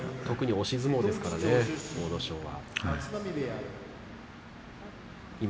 押し相撲ですからね阿武咲は。